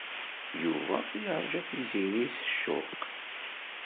Yuba yerǧa Tiziri s ccuq.